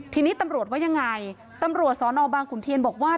ทีนี้ตำรวจว่ายังไงตำรวจสอนอบางขุนเทียนบอกว่า